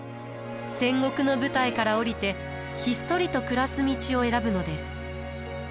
戦国の舞台から下りてひっそりと暮らす道を選ぶのです。